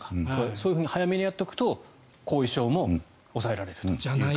そういうふうに早めにやっておくと後遺症も抑えられると。